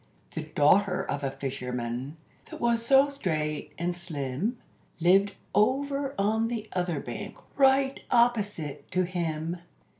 The daughter of a fisherman, that was so straight and slim, Lived over on the other bank, right opposite to him.